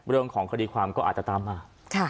เรื่องของคดีความก็อาจจะตามมา